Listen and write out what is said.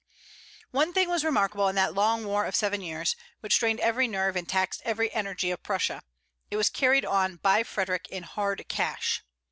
One thing was remarkable in that long war of seven years, which strained every nerve and taxed every energy of Prussia: it was carried on by Frederic in hard cash.